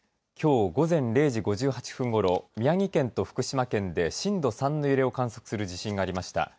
きょう午前０時５８分ごろ宮城県と福島県で震度３の揺れを観測する地震がありました。